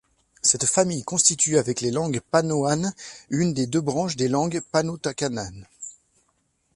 Cette famille constitue avec les langues panoanes une des deux branches des langues pano-tacananes.